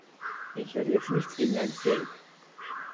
Ich hätte jetzt nichts gegen ein Steak.